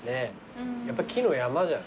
やっぱ木の山じゃない？